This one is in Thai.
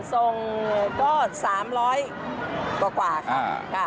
ส่งส่งก็๓๐๐กว่าครับ